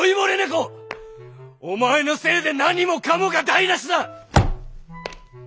お前のせいで何もかもが台なしだ！